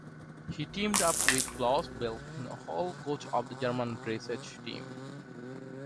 She teamed up with Klaus Balkenhol, coach of the German dressage team.